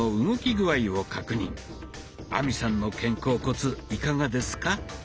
亜美さんの肩甲骨いかがですか？